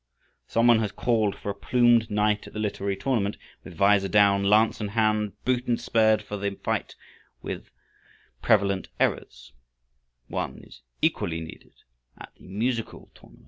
Some one has called for a plumed knight at the literary tournament, with visor down, lance in hand, booted and spurred for the fight with prevalent errors. One is equally needed at the musical tournament.